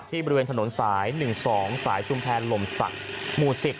บริเวณถนนสาย๑๒สายชุมแพรลมศักดิ์หมู่๑๐